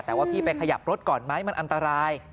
แต่ว่าพี่ไปขยับรถก่อนไหมมันอันตราย